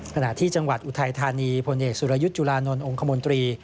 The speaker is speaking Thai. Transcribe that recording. ขณะที่จังหวัดอุทัยธานีพลเอกสุรยุทธ์จุลานนท์องค์คมนตรี